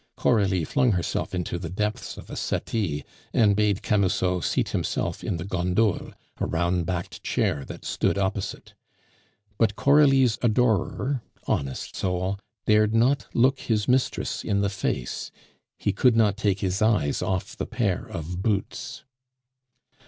Coralie flung herself into the depths of a settee, and bade Camusot seat himself in the gondole, a round backed chair that stood opposite. But Coralie's adorer, honest soul, dared not look his mistress in the face; he could not take his eyes off the pair of boots.